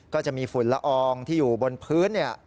ก็จะมีฝุ่นละอองที่อยู่บนพื้นเนี่ย